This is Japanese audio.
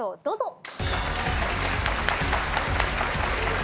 どうぞ。